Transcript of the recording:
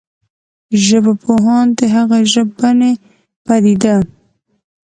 ژبپوهان د هغه ژبنې پديده